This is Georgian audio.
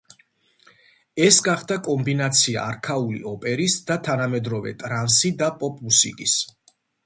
ეს გახდა კომბინაცია არქაული ოპერის და თანამედროვე ტრანსი და პოპ მუსიკის.